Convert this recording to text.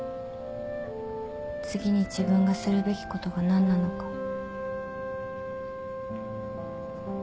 次に自分がするべきことが何なのか。